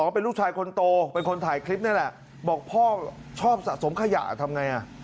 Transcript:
เป็นลูกชายคนโตเป็นคนถ่ายคลิปนี่แหละบอกพ่อชอบสะสมขยะทำไงอ่ะ